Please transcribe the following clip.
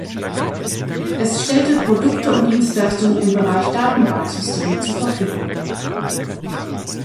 Es stellte Produkte und Dienstleistungen im Bereich Datenbanksysteme zur Verfügung.